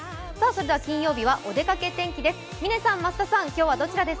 金曜日はお出かけ天気です